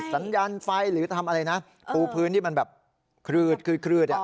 สัญญาณไฟหรือทำอะไรนะปูพื้นที่มันแบบคลืดอ่ะ